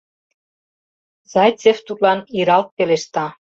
Зайцев тудлан иралт пелешта: